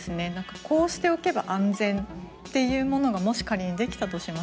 こうしておけば安全っていうものがもし仮にできたとしましょう。